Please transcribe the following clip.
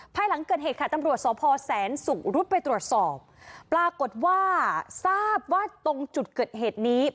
ภายหลังเกิดเหตุค่ะตำรวจสพแสนศุกร์รุดไปตรวจสอบปรากฏว่าทราบว่าตรงจุดเกิดเหตุนี้